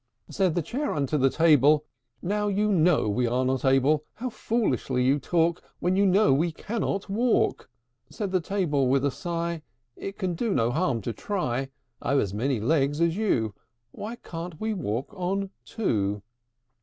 II. Said the Chair unto the Table, "Now, you know we are not able: How foolishly you talk, When you know we cannot walk!" Said the Table with a sigh, "It can do no harm to try. I've as many legs as you: Why can't we walk on two?"